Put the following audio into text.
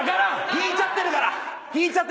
引いちゃってるから。